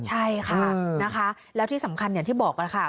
ใช่ค่ะแล้วที่สำคัญที่บอกล่ะค่ะ